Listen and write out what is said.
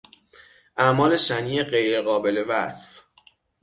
اعمال شنیع غیر قابل وصف